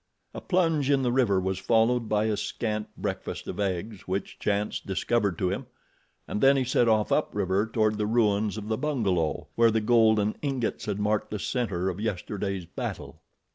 A plunge in the river was followed by a scant breakfast of eggs which chance discovered to him, and then he set off up river toward the ruins of the bungalow where the golden ingots had marked the center of yesterday's battle.